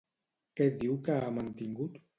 Què diu que ha mantingut?